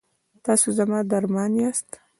تاسې زما درمان یاست؟